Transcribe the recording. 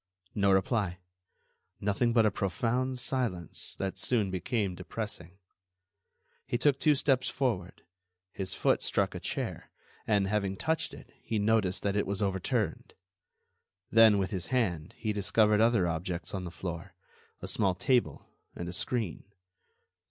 No reply. Nothing but a profound silence that soon became depressing. He took two steps forward; his foot struck a chair, and, having touched it, he noticed that it was overturned. Then, with his hand, he discovered other objects on the floor—a small table and a screen.